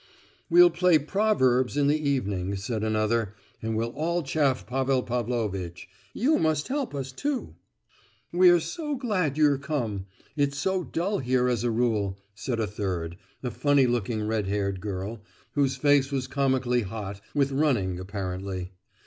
"We'll play 'Proverbs' in the evening," said another, "and we'll all chaff Pavel Pavlovitch; you must help us too!" "We are so glad you're come—it's so dull here as a rule," said a third, a funny looking red haired girl, whose face was comically hot, with running apparently.